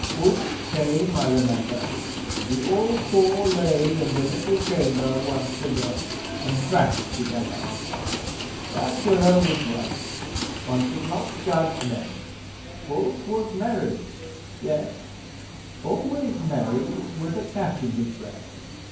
Fulke came, I remember, and we all four lay in the little chamber once again, and drank together. De Aquila was right. One should not judge men. Fulke was merry. Yes, always merry with a catch in his breath.'